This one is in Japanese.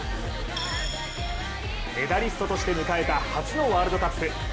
メダリストとして迎えた初のワールドカップ。